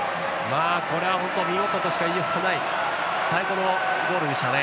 これは見事としか言いようがない最高のゴールでしたね。